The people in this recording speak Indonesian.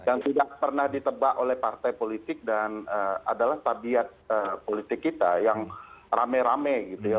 yang tidak pernah ditebak oleh partai politik dan adalah tabiat politik kita yang rame rame gitu ya